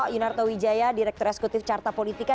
yunarto wijaya direktur eksekutif carta politika